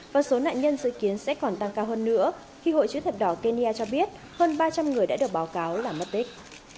và số nạn nhân dự kiến sẽ còn tăng cao hơn nữa khi hội chữ thập đỏ kenya cho biết hơn ba trăm linh người đã được báo cáo là mất tích